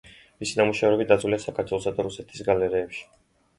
მისი ნამუშევრები დაცულია საქართველოსა და რუსეთის გალერეებში.